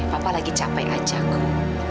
papa lagi capek aja kok